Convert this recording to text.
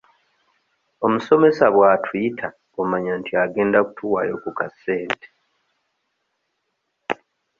Omusomesa bw'atuyita omanya nti agenda kutuwaayo ku ka sente.